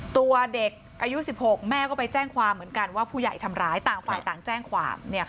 ตัวเด็กอายุ๑๖แม่ก็ไปแจ้งความเหมือนกันว่าผู้ใหญ่ทำร้ายต่างฝ่ายต่างแจ้งความ